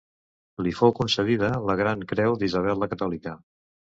Li fou concedida la Gran Creu d'Isabel la Catòlica.